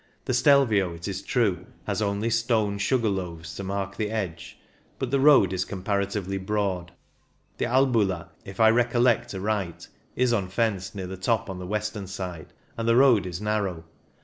The Stelvio, it is true, has only stone " sugar loaves " to mark the edge, but the road is comparatively broad. The Albula, if I recollect aright, is unfenced near the top on the western side, and the road is narrow.